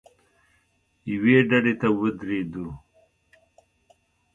یوې ډډې ته ودرېدو.